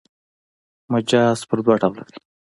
مجاز پر دوه ډوله دﺉ.